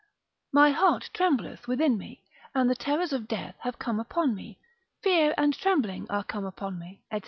My heart trembleth within me, and the terrors of death have come upon me; fear and trembling are come upon me, &c.